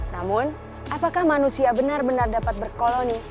namun apakah manusia benar benar dapat berkoloni